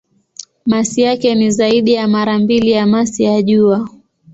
Masi yake ni zaidi ya mara mbili ya masi ya Jua.